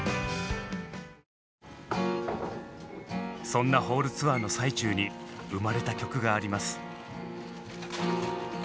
そんなホールツアーの最中に生まれた曲があります。